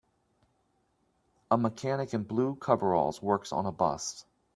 A mechanic in blue coveralls works on a bus.